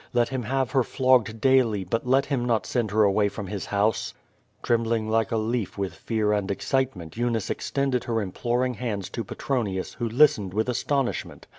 Let him have her flogged daily, but let him not send her away from his house. Trembling like a leaf with fear and excitement, Eunice extended her imploring hands to Petronius, who listened with astonishment.